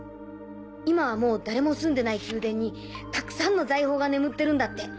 今はもう誰も住んでない宮殿にたくさんの財宝が眠ってるんだって。